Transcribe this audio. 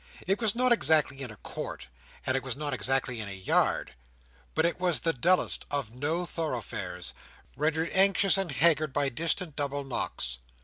It was not exactly in a court, and it was not exactly in a yard; but it was in the dullest of No Thoroughfares, rendered anxious and haggard by distant double knocks.